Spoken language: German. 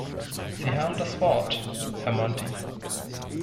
Sie haben das Wort, Herr Monti.